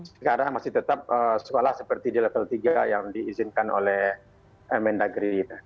sekarang masih tetap sekolah seperti di level tiga yang diizinkan oleh mendagri